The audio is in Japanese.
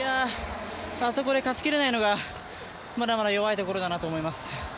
あそこで勝ちきれないのが、まだまだ弱いところだと思います。